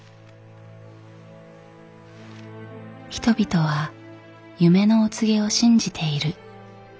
人々は夢のお告げを信じている。